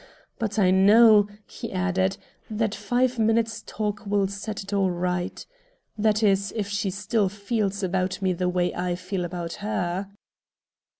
But I know," he added, "that five minutes' talk will set it all right. That is, if she still feels about me the way I feel about her."